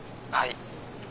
はい。